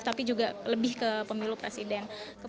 tapi juga lebih ke pemilu presiden